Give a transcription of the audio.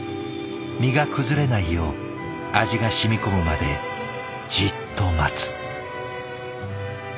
身が崩れないよう味が染み込むまでじっと待つ。